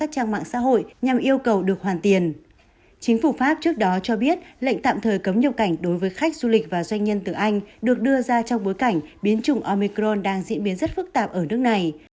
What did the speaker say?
chính phủ pháp trước đó cho biết lệnh tạm thời cấm nhập cảnh đối với khách du lịch và doanh nhân từ anh được đưa ra trong bối cảnh biến chủng omicron đang diễn biến rất phức tạp ở nước này